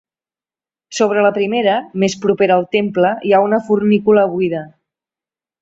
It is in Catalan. Sobre la primera, més propera al temple, hi ha una fornícula buida.